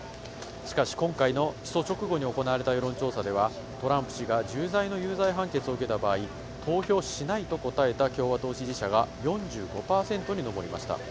しかし、今回の起訴直後に行われた世論調査では、トランプ氏が重罪の有罪判決を受けた場合、投票しないと答えた共和党支持者が４５％にのぼりました。